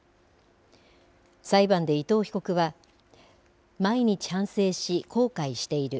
裁判で伊藤被告は毎日反省し、後悔している。